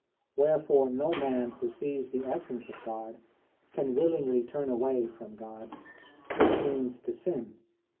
Wherefore no one who sees the Essence of God can willingly turn away from God, which means to sin.